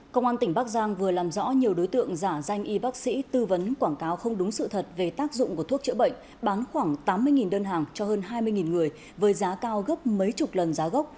công an tỉnh bắc giang vừa làm rõ nhiều đối tượng giả danh y bác sĩ tư vấn quảng cáo không đúng sự thật về tác dụng của thuốc chữa bệnh bán khoảng tám mươi đơn hàng cho hơn hai mươi người với giá cao gấp mấy chục lần giá gốc